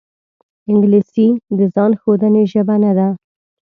انګلیسي د ځان ښودنې ژبه نه ده